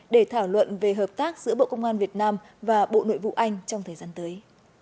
để thảo luận về hợp tác giữa bộ công an việt nam và bộ nội vụ anh trong thời gian tới